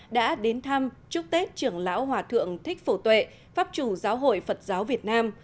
đã đến thăm chúc tết trưởng lão hòa thượng thích phổ tuệ pháp chủ giáo hội phật giáo việt nam